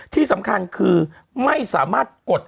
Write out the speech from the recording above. ที่สำคัญคือไม่สามารถกด